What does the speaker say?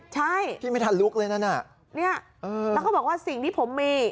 ใช่พี่ไม่ทันลุกเลยนั่นน่ะเนี่ยแล้วเขาบอกว่าสิ่งที่ผมมี